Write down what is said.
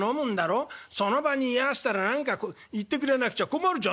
その場に居合わせたら何か言ってくれなくちゃ困るじゃないか」。